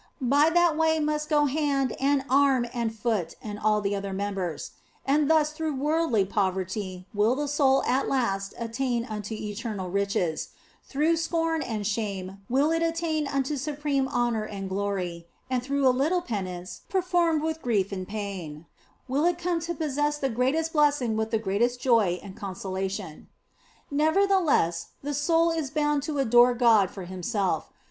By that way must go hand and arm and foot and all the other members ; and thus through worldly poverty will the soul at last attain unto eternal riches ; through scorn and shame will it attain unto supreme honour and glory, and through a little penance (per formed with grief and pain) will it come to possess the greatest blessing with the greatest joy and consolation. Nevertheless, the soul is bound to adore God for Him self.